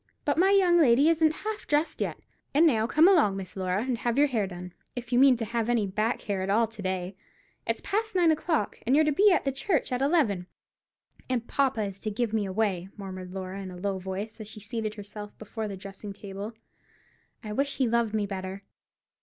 But my young lady isn't half dressed yet. And now, come along, Miss Laura, and have your hair done, if you mean to have any back hair at all to day. It's past nine o'clock, and you're to be at the church at eleven." "And papa is to give me away!" murmured Laura, in a low voice, as she seated herself before the dressing table. "I wish he loved me better."